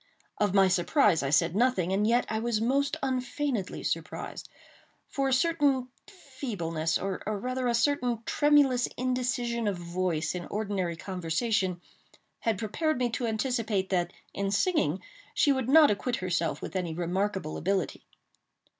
Of my surprise I said nothing, and yet was I most unfeignedly surprised; for a certain feebleness, or rather a certain tremulous indecision of voice in ordinary conversation, had prepared me to anticipate that, in singing, she would not acquit herself with any remarkable ability.